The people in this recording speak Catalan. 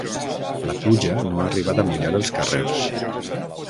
La pluja no ha arribat a mullar els carrers.